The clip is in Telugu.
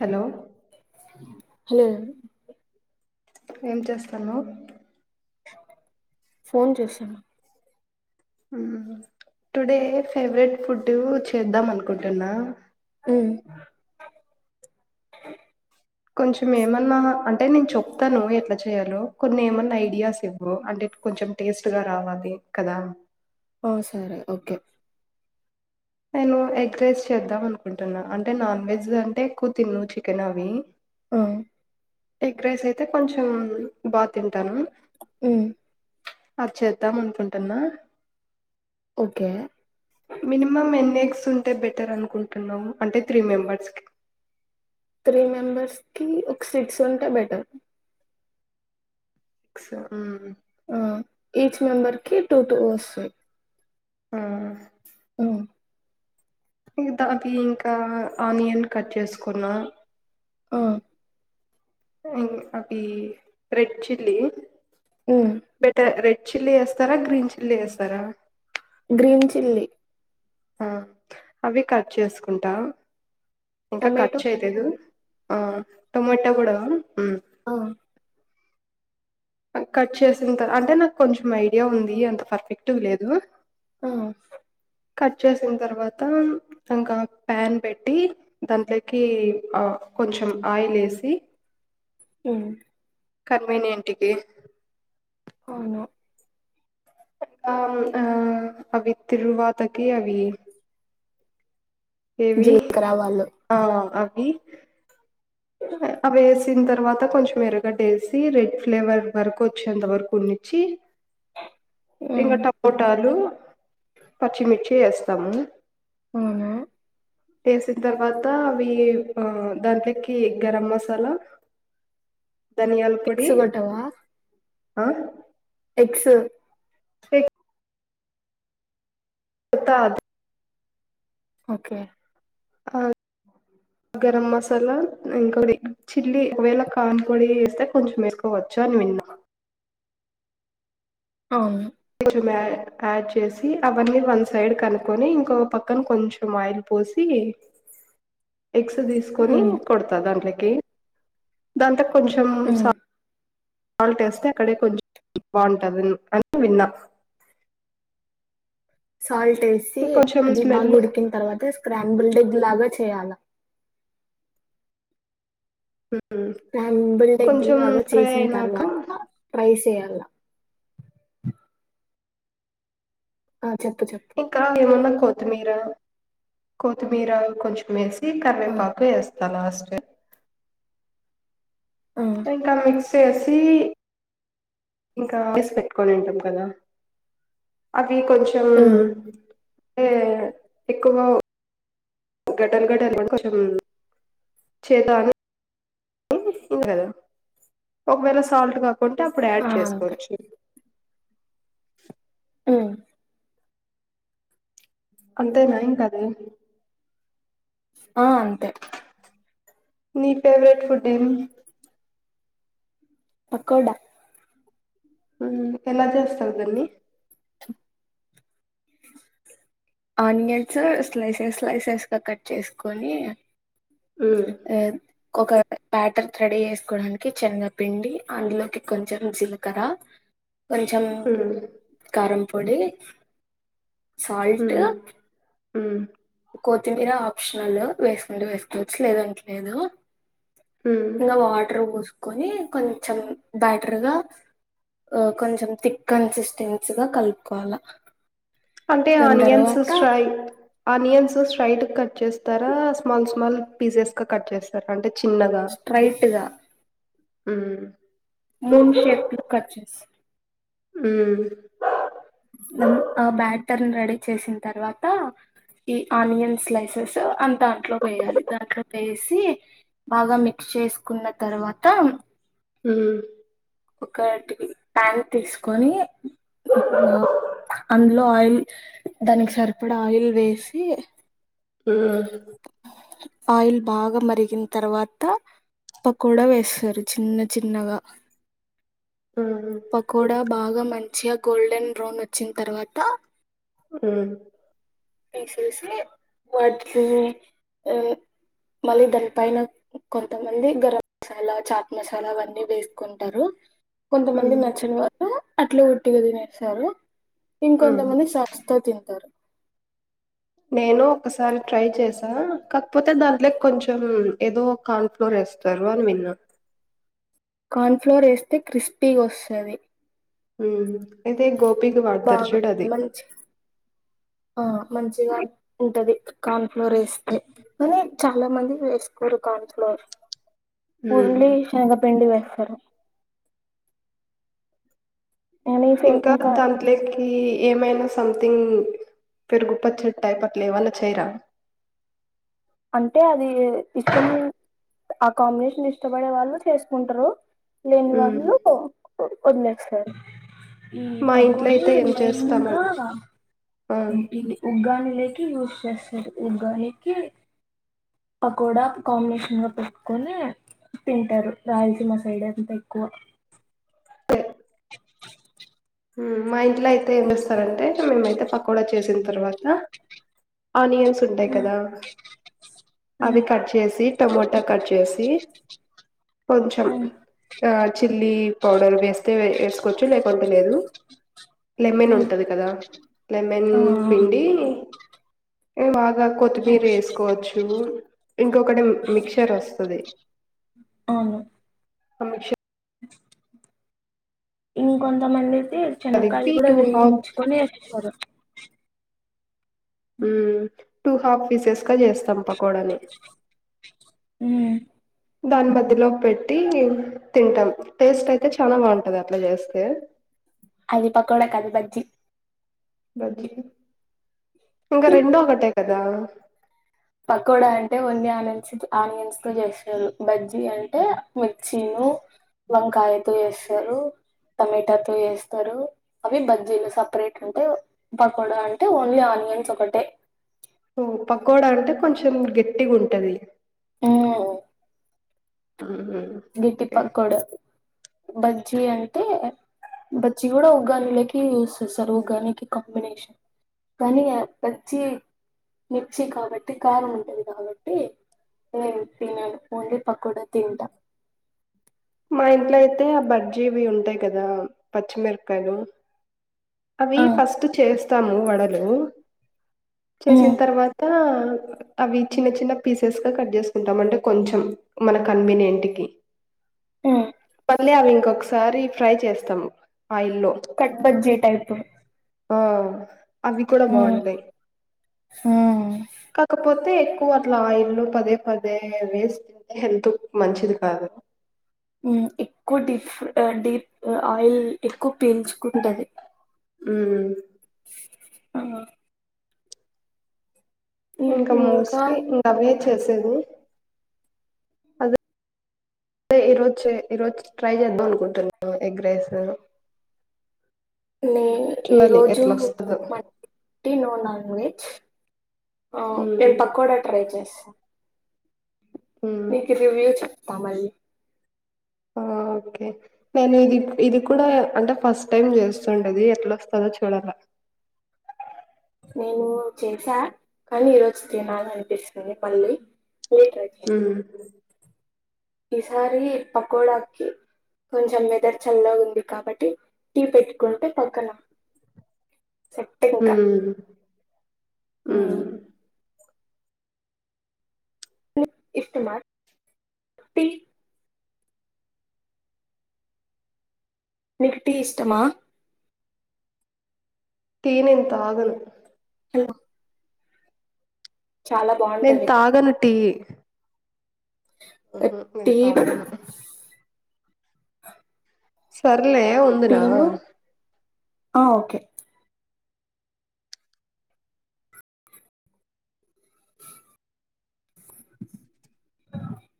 హలో హలో ఎవరు ఏం చేస్తన్నావ్ ఫోన్ చూస్తున్న ఉ హు టుడే ఫేవరెట్ ఫుడ్ చేద్దాం అనుకుంటున్నా ఉ కొంచెం ఏమన్నా అంటే నేను చెప్తాను ఎట్లా చేయాలో కొన్ని ఏమన్నా ఐడియాస్ ఇవ్వు అంటే కొంచం టేస్ట్ గా రావాలి కదా ఓ సరే ఓకే నేను ఎగ్ రైస్ చేద్దాం అనుకుంటున్నా అంటే నాన్ వెజ్ అంటే ఎక్కువ తిన్ను చికెన్ అవి అ ఎగ్ రైస్ అయితే కొంచెం బాగా తింటాను ఉమ్ అది చేద్దాం అనుకుంటున్నా ఓకే మినిమం ఎన్ని ఎగ్స్ ఉంటే బెటర్ అనుకుంటున్నావ్ అంటే త్రీ మెంబర్స్ కి త్రీ మెంబర్స్ కి ఒక సిక్స్ ఉంటే బెటర్ సిక్సా ఉమ్ ఆ ఈచ్ మెంబర్ కి టూ టూ వస్తాయి ఆ ఉమ్ దానికి ఇంకా ఆనియన్ కట్ చేసుకున్నా అ ఉమ్ అవి రెడ్ చిల్లి హ్మ్ బెటర్ రె చిల్లీ వేస్తారా గ్రీన్ చిల్లీ వేస్తారా గ్రీన్ చిల్లీ ఆ అవి కట్ చేసుకుంటా ఇంకా కట్ టమాటో చేయలేదు ఆ టొమోటో గుడా ఆమ్ ఆ కట్ చేసినంత అంటే నాకు కొంచెం ఐడియా ఉంది అంత పర్ఫెక్ట్ లేదు ఆ కట్ చేసిన తర్వాత ఇంకా ప్యాన్ పెట్టి దాంట్లోకి కొంచెం ఆయిల్ వేసి ఉమ్ కన్వీనియంటికి అవును ఆ ఆ అవి తిరుగమతకి అవి జిల్ కర్ర ఆవాళ్ళు ఈ అవేస్ వేసిన తర్వాత కొంచెం ఎరగడ్డ వేసి రెడ్ ఫ్లేవర్ వరకు వచ్చేంత వరకు ఉన్నించి హ్మ్ ఇంకా టమోటాలు పచ్చిమిర్చి వేస్తాము అవునా వేసిన తర్వాత అవి ఆ దాంట్లో కి ఈ గరం మసాలా ధనియాల పొడి ఎగ్స్ కొట్టవా ఆహ్ ఎగ్స్. ఎప్ కద్ ఓకే ఆవ్ గరం మసాలా ఇంకోటి చిల్లీ ఒకవేళ కార్న పొడి వేస్తే కొంచెం వేసుకోవచ్చు అని విన్నా. అవును ఆడ్ ఆడ్ చేసి అవన్నీ వన్ సైడ్ కి అనుకొని ఇంకో పక్కన కొంచం ఆయిల్ పోసి ఎగ్స్ తీసుకొని హ్మ్ కొడతా దాంట్లాకి. దాంట్లాక్ కొంచెం హ్మ్ సా సాల్ట్ వేస్తే అక్కడే కొంచెం బాగుంటది అని విన్నా సాల్ట్ వేసి కొంచెం అది స్మెల్ బాగా ఉడికిన తర్వాత స్క్రా అన్ బుల్డేగ్ లాగా చేయాలా ఉమ్ కొంచెం బుల్డెగ్లాగా ఫ్రై చేసిన అయినాక తర్వాత రైస్ యేయ్యాల. ఆహ్ ఇంకా నీ మొన్న కోత్ కొత్తిమీర కొత్తిమీర కొంచెం వేస్ ఆ కరివేపాకు వేస్ తలాస్టే ఆ ఎంకల విక్స్ పెట్టేసి ఇంకా ఏసి పెట్టుకొని ఉంటాం కదా. అవి కొంచెం హ్మ్ అంటే ఎక్కువొ గడ్డలు గడ్డలు కొంచెం చేతో అని ఇంకదా ఒకవేళ సాల్ట్ కాక కొంటే అప్పుడు యాడ్ ఆ అంతే. చేసుకోవచ్చు. ఆహ్ అంతేన ఇంకా అది. ఆహ్ అంతే. నీ ఫేవరెట్ ఫుడ్ ఏమి. పకోడా ఉమ్ ఎలా చేస్తారు దాన్ని. ఆనియన్స్ స్లైసెస్ స్లైసెస్ గా కట్ చేసుకొని. ఉమ్ ఏ ఒక ప్యాటర్ రెడీ చేసుకోడానికి శనగపిండి అందులోకి కొంచెం జీలకర్ర కొంచెం ఉమ్ కారంపొడి సల్ట్ ఉమ్ ఉమ్ కొత్తిమీర ఆప్షనల్ వేసుకుంటే వేసుకోవచ్చు లేదంటలేదు ఉమ్. ఇంకా వాటర్ పోసుక్ ని కొంచెం బ్యాటర్గా కొంచెం థిక్ కన్సిస్టెన్సీగా కలుపుకోవాలి అంటే ఆనియన్స్ స్ట్రెయ్ ఆనియన్స్ స్ట్రైట్ కట్ చేస్తారా స్మాల్ స్మాల్ పీసెస్ కట్ చేస్తారా అంటే చిన్నగా స్ట్రైట్గా ఉమ్ మూన్ షెప్స్ లో కచెస్ ఉమ్ ద ఆ బ్యాటర్ రెడీ చేసిన తర్వాత ఈ ఆనియన్ స్లైసెస్ అ దాంట్లో వేయాలి దాంట్లో వేసి బాగా మిక్స్ చేసుకున్న తర్వాత ఉమ్ ఒకటి ప్యాన్ తీసుకొని ఆ అందులో ఆయిల్ దానికి సరిపడా ఆయిల్ వేసి ఉమ్ ఆయిల్ బాగా మరిగిన తర్వాత పకోడా వేస్తారు చిన్న చిన్నగా ఉమ్ పకోడా బాగా మంచిగా గోల్డెన్ బ్రౌన్ వచ్చిన తర్వాత ఉమ్ తీసేసి వాటిని మళ్ళీ దాని పైన కొంతమంది గరం మసాలా చాట్ మసాలా అవన్నీ వేసుకుంటారు కొంతమంది నచ్చని వాళ్లు అట్లా ఒట్టిగా తినేస్తారు ఇంకొంత ఉమ్ మంది సాస్ తో తింటారు నేను ఒకసారి ట్రై చేసా కాకపోతే దాంట్లో కొంచెం ఏదో కాన్ఫ్లోర్ వేస్తారు అని విన్నా కార్న్ఫ్లోర్ వేస్తే క్రిస్పీగా వస్తాది ఉమ్ ఇదే గోపికి వార్తరూ బాగా చూడు అది మంచి ఆ మంచిగా ఉంటది కార్న్ ఫ్లోర్ వేస్తే కానీ చాలా మంది వేసుకోరు కార్న్ ఫ్లోర్ హ్మ్ ఓన్లీ శనగపిండి వేస్తారు క ఇంకా దాంట్లే కి ఏమైనా సంథింగ్ పెరుగుపచ్చడి టైప్ అట్లా ఏమన్న చేయరా అంటే అది ఇష్టం ఆ కాంబినేషన్ ఇష్టపడే వాళ్ళు చేసుకుంటరూ హ్మ్ లేనివాళ్ళు వదిలేస్తారు ఈ మా ఇంట్లో పక్కోల్లు అయితే ఏం మెయిన్ చేస్తామం గా ఆ ఉగ్గానీ లేకి యూస్ చేస్తారు. ఉగ్గానీకి పకోడా కాంబినేషన్గా పెట్టుకొని తింటారు. రాయలసీమ సైడ్ అంత ఎక్కువ హు మా ఇంట్లో అయితే ఏంచేస్తారంటే ఆయితె పకోడ చేసిన తర్వాత ఆనియన్స్ ఉంటాయి ఆ కదా అవి కట్ చేసి టొమోటో కట్ చేసి కొంచెం ఆ చిల్లీ పౌడర్ వేస్తే ఏసుకోవచ్చు లేకుంటే లేదు లెమెన్ ఉంటది కదా లెమెన్ పిండీ ఏం ఆగ్ అగ్ కొత్తిమీర ఏసుకోవచ్చూ ఇంకొకటి మిక్చర్ వస్తది అవును ఆ మిక్చర్ ఇంకొంతమంది అయితే చెనక్కాయలు కలిపి కూడ టూ హాఫ్ వేయించుకొని వేస్తరు హ్ టూ హాఫ్ పీసెస్ ట్ల చేస్తాం పకోడాల్ని దాని మధ్యలో పెట్టి తింటాం టేస్ట్ అయితే చాలా బాగుంటది. అట్ల చేస్తే అది పకోడ కాదు బజ్జీ బజ్జీ ఇక రెండూ ఒకటె కదా పకోడా అంటే ఓన్లీ ఆనియన్స్ ఆనియన్స్ తో చేస్తరు. బజ్జీ అంటే మిర్చిను వంకాయతో చేస్తరూ టమటాతో చేస్తారు. అవి బజ్జీలు సపరేట్ అంటే పకోడా అంటే ఓన్లీ ఆనియన్స్ ఒకటే ఓ పకోడా అంటే కొంచెం గట్టిగ ఉంటది. ఆ గట్టి ఓకే పక్కోడా బజ్జీ అంటే బజ్జి కూడా ఉగ్గానికిలోకి యూస్ చేస్తారు. ఉగ్గానికి కాంబినేషన్ కానీ బజ్జి మిర్చి కాబట్టి కారం ఉంటది. కాబట్టి నేను తినను ఓన్లీ పకోడ తింట మా ఇంట్లో అయితే ఆ బజ్జీవి ఉంటాయి. కదా పచ్చిమిరపకాయలు అవి ఆ, ఫస్ట్ చేస్తాము వడలూ చేసిన్ ఉమ్, తర్వాతా అవి చిన్న చిన్న పీసెస్ గ కట్ చేసుకుంటాం. అంటె కొంచం మన కన్వీనియెంట్ కీ ఉమ్. పార్లే ఆవి ఇంకొకసారి ట్రై చేస్తం అయిల్లో అయిపో ఆ అవి కూడా బాగుంటాయి హ్మ్ కాకపోతే ప్పు అట్లా ఆయిల్ లో పదే పదే వేస్ తింటే హెల్త్ కు మంచిది కాదు ఎక్కువ డీప్ డీప్ ఆయిల్ ఎక్కువ పీల్చుకుంటది ఉ ఆ ఇంకా మోస్ట్లీ ఇంకా అవి చేసేది అద్ ఈరోజు ఈరోజు ట్రై చేద్దాం అనుకుంటున్నా ఎగ్ రైస్ న ఈ చూడాలి రోజు ఎట్లా వస్తుందో నో నాన్వెజ్ నేను ఉమ్, పకోడా ట్రై చేస్తా ఉమ్. నీకిది వేయి కావాలి ఆ ఓకే నేను ఇది ఇది కూడా అంటే ఫస్ట్ టైం చేస్తుండది ఎట్లా వస్తుందో చూడాల నేను చేసా కానీ ఈరోజు తినాల అనిపిస్తుంది మళ్ళీ మళ్ళీ ట్రై చేయ ఉమ్ ఈసారి పకోడాకి కొంచెం వెదర్ చల్లగా ఉంది కాబట్టి టీ పెట్టుకుంటే పక్కన సెట్ ఉ ఇంకా ఉ ఉమ్, ఇష్టమా మీకు టీ ఇష్టమా టీ నేను తాగను హలో చాలా నేను బాగుంటది తాగను టీ ఉ హ్ నేను టీ తాగను సరే సర్లే ఉందున టీను ఆ ఓకే అ